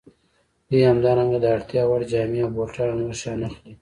دوی همدارنګه د اړتیا وړ جامې او بوټان او نور شیان اخلي